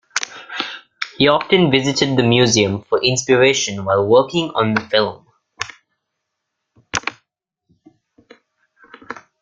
He often visited the museum for inspiration while working on the film.